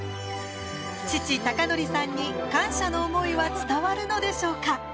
父・卓典さんに感謝の思いは伝わるのでしょうか。